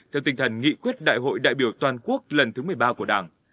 theo tinh thần nghị quyết đại hội đại biểu toàn quốc lần thứ một mươi ba của đảng